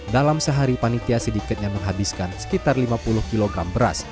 dalam sehari panitia sedikitnya menghabiskan sekitar lima puluh kg beras